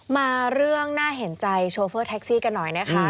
มาเรื่องน่าเห็นใจโชเฟอร์แท็กซี่กันหน่อยนะคะ